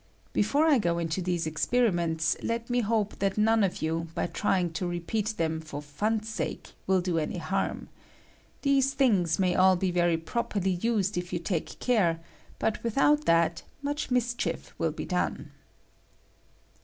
(Before I go into these experi ments, let me hope that none of you, by trying to repeat them, for fun's sake, will do any harm. These things may all be very properly used if you take care, but without that much mischief win be done.)